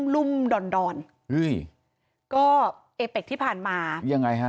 ลุ่มดอนก็เอเบกที่ผ่านมายังไงฮะ